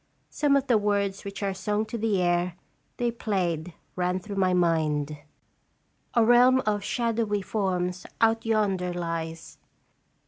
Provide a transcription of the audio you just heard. Some of the words which are sung to the air they played ran through my mind: "A realm of shadowy forms out yonder lies.